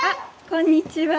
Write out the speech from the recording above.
こんにちは。